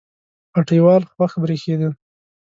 هټۍوال خوښ برېښېده